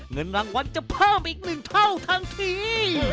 เงินรางวัลจะเพิ่มอีก๑เท่าทันที